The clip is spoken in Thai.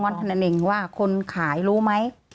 อยากรู้ตรงวันหนึ่งว่าคนขายรู้ไหม